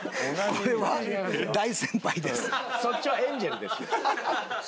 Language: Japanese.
そっちはエンゼルです。